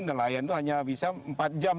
nelayan itu hanya bisa empat jam